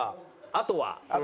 あとは？